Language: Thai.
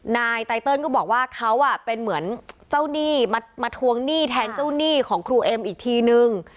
นายไตเติลก็บอกว่าเขาเป็นเหมือนเจ้าหนี้มาทวงหนี้แทนเจ้าหนี้ของครูเอ็มอีกทีนึง